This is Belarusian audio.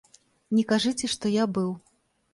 Не кажыце, што я быў.